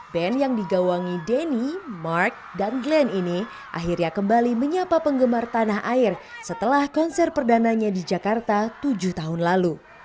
band yang digawangi denny mark dan glenn ini akhirnya kembali menyapa penggemar tanah air setelah konser perdananya di jakarta tujuh tahun lalu